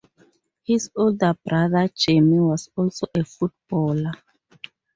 His older brother Jamie was also a footballer.